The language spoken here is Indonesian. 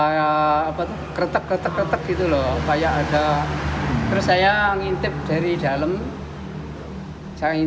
yang mencari motor yang dia gunakan